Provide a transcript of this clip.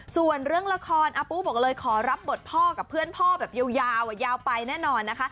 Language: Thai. ส่วนเรื่องละครอาปูบอกเลยขอรับบทพ่อกับเพื่อนพ่อแบบยาวยาวไปแน่นอนนะคะ